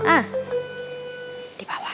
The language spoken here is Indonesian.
ah di bawah